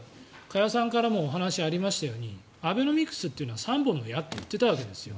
加谷さんからもお話ありましたようにアベノミクスっていうのは３本の矢と言っていたわけですよ。